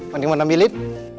mending mau ambilin